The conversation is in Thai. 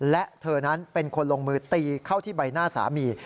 และเธอนั้นเป็นคนลงมือตีเข้าที่ใบหน้าสามี